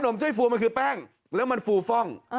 มไส้ฟัวมันคือแป้งแล้วมันฟูฟ่อง